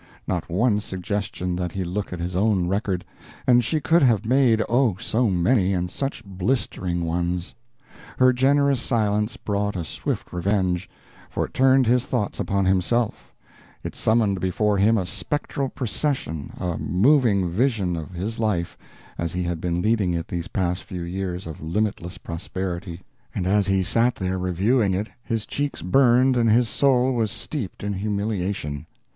Not one suggestion that he look at his own record and she could have made, oh, so many, and such blistering ones! Her generous silence brought a swift revenge, for it turned his thoughts upon himself, it summoned before him a spectral procession, a moving vision of his life as he had been leading it these past few years of limitless prosperity, and as he sat there reviewing it his cheeks burned and his soul was steeped in humiliation.